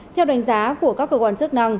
theo đánh giá của các cơ quan chức năng